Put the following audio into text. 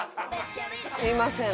すみません。